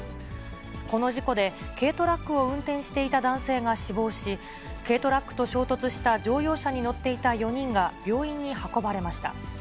この事故で、軽トラックを運転していた男性が死亡し、軽トラックと衝突した乗用車に乗っていた４人が病院に運ばれました。